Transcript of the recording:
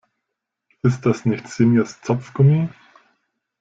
Ist das nicht Sinjas Zopfgummi?